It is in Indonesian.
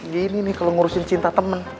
gini nih kalau ngurusin cinta temen